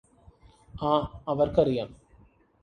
ആ അവർക്കറിയാം